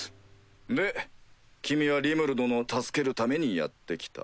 で君はリムル殿を助けるためにやって来た。